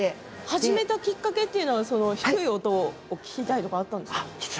初めたきっかけは低い音を聴きたいとかあったんですか。